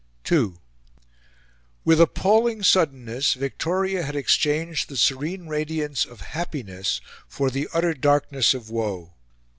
II With appalling suddenness Victoria had exchanged the serene radiance of happiness for the utter darkness of woe.